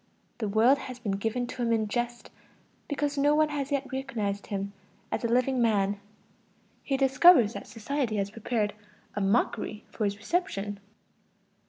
The world has been given to him in jest, because no one has yet recognized him as a living man. He discovers that society has prepared a mockery for his reception.